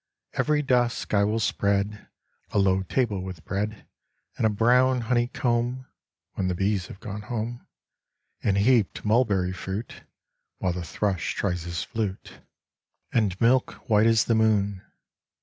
Every dusk I will spread A low table with bread And a brown honey comb (When the bees have gone home), And heaped mulberry fruit, (While the thrush tries his flute), 63 A Letter to Elsa And milk white as the moon.